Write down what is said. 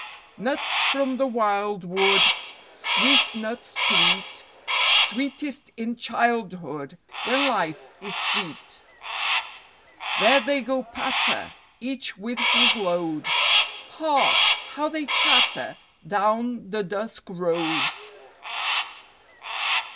Nuts from the wild wood; Sweet Nuts to eat; Sweetest in Childhood When life is sweet. There they go patter, Each with his Load; Hark! how they chatter Down the dusk Road.